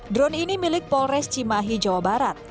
drone ini milik polres cimahi jawa barat